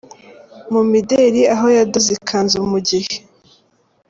Mu mideli aho yadoze ikanzu mu gihe.